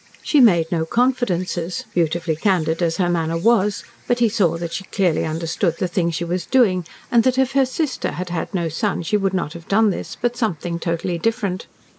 She made no confidences, beautifully candid as her manner was, but he saw that she clearly understood the thing she was doing, and that if her sister had had no son she would not have done this, but something totally different.